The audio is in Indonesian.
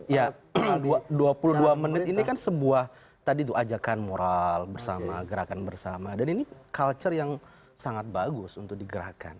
ya dua puluh dua menit ini kan sebuah tadi itu ajakan moral bersama gerakan bersama dan ini culture yang sangat bagus untuk digerakkan